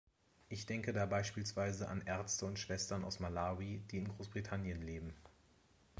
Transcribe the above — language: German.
Ich denke da beispielsweise an Ärzte und Schwestern aus Malawi, die in Großbritannien leben.